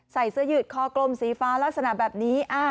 ใส่เสื้อยืดคอกลมสีฟ้าลักษณะแบบนี้